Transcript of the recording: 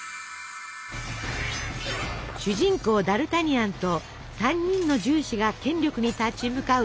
主人公ダルタニアンと３人の銃士が権力に立ち向かう